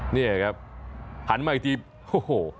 นี่ครับหันมาอีกทีโอ้โห